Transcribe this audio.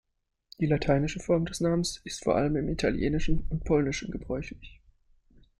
Die lateinische Form des Namens ist vor allem im Italienischen und Polnischen gebräuchlich.